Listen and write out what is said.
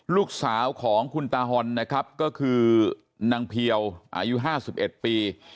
ลูกสาวของคุณตาฮอนนะครับก็คือนางเพียวอายุ๕๑ปี